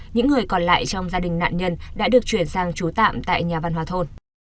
những người còn lại trong gia đình nạn nhân đã được chuyển sang trú tạm tại nhà văn hóa thôn